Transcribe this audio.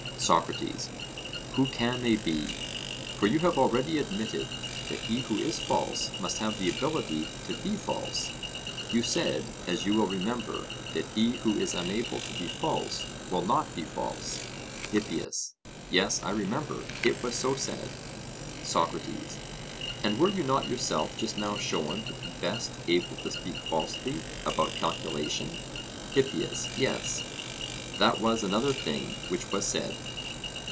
SOCRATES: Who can they be? For you have already admitted that he who is false must have the ability to be false: you said, as you will remember, that he who is unable to be false will not be false? HIPPIAS: Yes, I remember; it was so said. SOCRATES: And were you not yourself just now shown to be best able to speak falsely about calculation? HIPPIAS: Yes; that was another thing which was said.